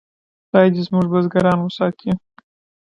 خدای دې زموږ بزګران وساتي.